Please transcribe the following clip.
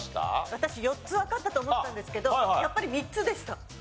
私４つわかったと思ったんですけどやっぱり３つでした。